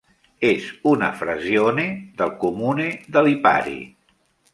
És una "frazione" del "comune" de Lipari.